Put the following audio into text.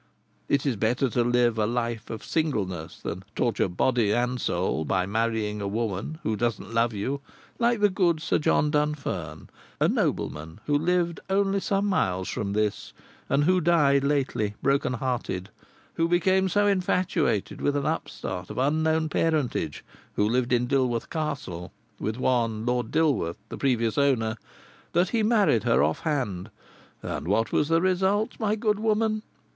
It is better to live a life of singleness than torture both body and soul by marrying a woman who doesn't love you, like the good Sir John Dunfern a nobleman who lived only some miles from this, and who died lately broken hearted who became so infatuated with an upstart of unknown parentage, who lived in Dilworth Castle, with one Lord Dilworth, the previous owner, that he married her offhand, and, what was the result, my good woman?